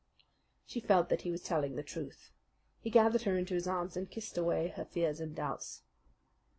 She felt that he was telling the truth. He gathered her into his arms and kissed away her fears and doubts.